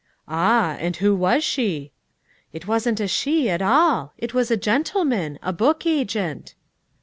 "Ah, and who was she?" "It wasn't a 'she' at all; it was a gentleman, a book agent."